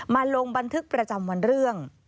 มาลงบันทึกประจำวันเรื่อง